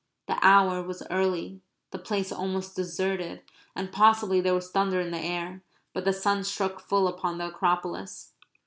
The hour was early; the place almost deserted; and possibly there was thunder in the air. But the sun struck full upon the Acropolis.